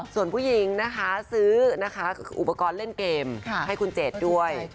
ส่วนผู้หญิงนะคะซื้อนะคะอุปกรณ์เล่นเกมให้คุณเจดด้วย